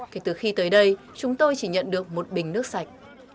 kể từ khi tới đây chúng tôi chỉ nhận được một bình nước sạch